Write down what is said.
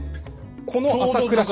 この朝倉氏。